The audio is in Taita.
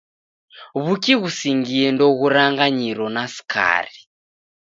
W'uki ghusingie ndoghuranganyiro na skari.